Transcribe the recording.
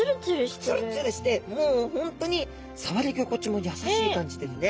ツルツルしてもう本当に触り心地も優しい感じですね。